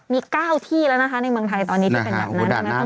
มี๙ที่แล้วนะคะในเมืองไทยตอนนี้จะเป็นอย่างนั้น